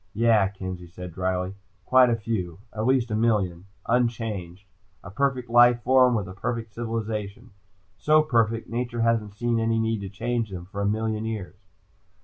"Yeah," Kenzie said drily. "Quite a few. At least a million. Unchanged. A perfect life form with a perfect civilization. So perfect, nature hasn't seen any need to change them for a million years."